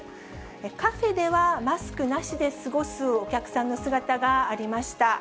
カフェでは、マスクなしで過ごすお客さんの姿がありました。